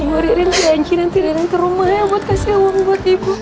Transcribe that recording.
ibu rilang rilang ke rumah ya buat kasih uang buat ibu